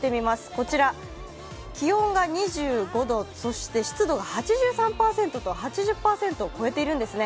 こちら気温が２５度、そして湿度が８３％と、８０％を超えているんですね